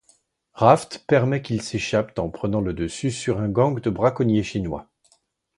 Raft permet qu'ils s'échappent en prenant le dessus sur un gang de braconniers chinois.